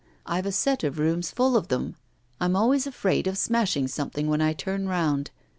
I've a set of rooms full of them. I'm always afraid of smashing something when I turn round.